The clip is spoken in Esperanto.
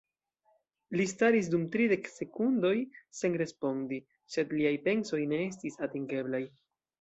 Li staris dum tridek sekundoj sen respondi, sed liaj pensoj ne estis atingeblaj.